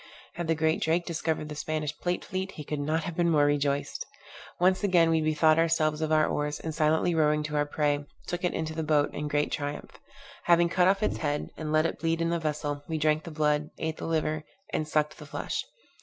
Had the great Drake discovered the Spanish plate fleet, he could not have been more rejoiced. Once again we bethought ourselves of our oars, and silently rowing to our prey, took it into the boat in great triumph. Having cut off its head, and let it bleed in a vessel, we drank the blood, ate the liver, and sucked the flesh.